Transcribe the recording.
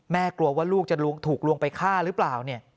แม่กลัวว่าลูกจะถูกลวงไปฆ่าหรือเปล่า